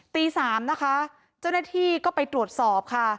ตี๓นะคะเจ้าหน้าที่ก็ไปตรวจสอบค่ะ